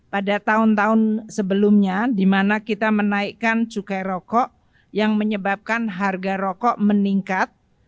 pada tahun tahun sebelumnya di mana kita menaikkan cukai rokok yang menyebabkan harga rokok meningkat